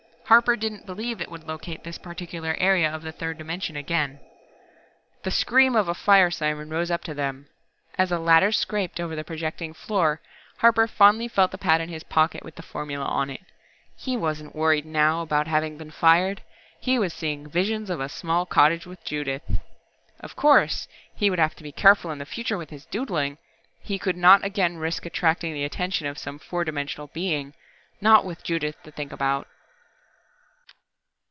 Harper didn't believe It would locate this particular area of the third dimension again. The scream of a fire siren rose up to them. As a ladder scraped over the projecting floor, Harper fondly felt the pad in his pocket with the formula on it. He wasn't worried now about having been fired. He was seeing visions of a small cottage with Judith.... Of course, he would have to be careful in the future with his "doodling"! He could not again risk attracting the attention of some four dimensional Being not with Judith to think about!